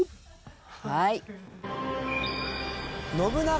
はい。